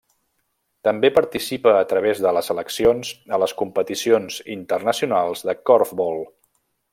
També participa a través de les seleccions a les competicions internacionals de corfbol.